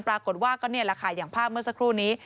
ปรากฏว่าอย่างภาพเมื่อสักครู่นี้